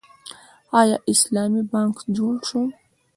آیا اسلامي بانک جوړ شو؟